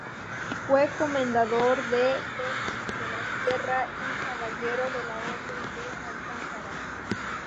Fue comendador de Belvís de la Sierra y caballero de la Orden de Alcántara.